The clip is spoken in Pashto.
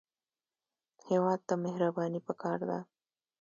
هېواد ته مهرباني پکار ده